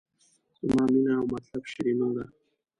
زما مینه او مطلب شیرینو ده.